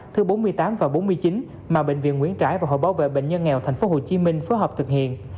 thứ bốn mươi tám và bốn mươi chín mà bệnh viện nguyễn trãi và hội bảo vệ bệnh nhân nghèo tp hcm phối hợp thực hiện